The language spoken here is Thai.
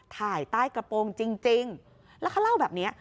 ถ่ายใต้กระโปรงจริงแล้วเขาเล่าแบบนี้